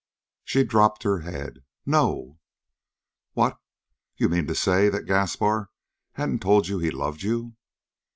She dropped her head. "No." "What? You mean to say that Gaspar hadn't told you he loved you?"